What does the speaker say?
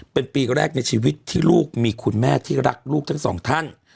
เป็นปีแรกในชีวิตที่ลูกมีคุณแม่ที่รักลูกทั้งสองท่าน